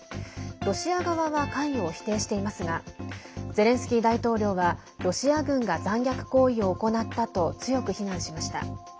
ロシア側は関与を否定していますがゼレンスキー大統領はロシア軍が残虐行為を行ったと強く非難しました。